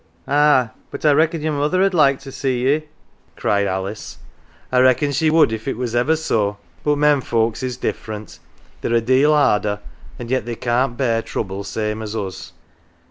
" Ah, but I reckon your mother 'ud like to see ye," cried Alice ;" I reckon she would if it was ever so. But men folks is different. They're a deal harder, an' yet they can't bear trouble same as us.